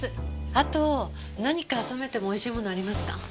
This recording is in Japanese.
あと何か冷めても美味しいものありますか？